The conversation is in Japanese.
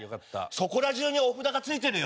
そこら中にお札が付いてるよ！